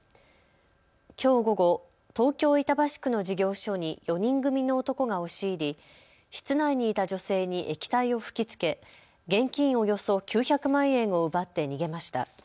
きょう午後、東京板橋区の事業所に４人組の男が押し入り室内にいた女性に液体を吹きつけ現金およそ９００万円を奪って逃げました。